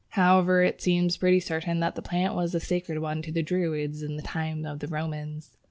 However, it seems pretty certain that the plant was a sacred one to the Druids in the time of the Romans.